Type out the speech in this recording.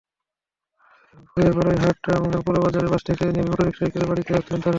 ভোরে বারইয়ারহাট পৌর বাজারে বাস থেকে নেমে অটোরিকশায় করে বাড়িতে যাচ্ছিলেন তাঁরা।